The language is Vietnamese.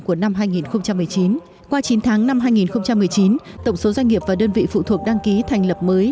của năm hai nghìn một mươi chín qua chín tháng năm hai nghìn một mươi chín tổng số doanh nghiệp và đơn vị phụ thuộc đăng ký thành lập mới